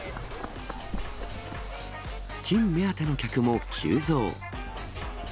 キン目当ての客も急増。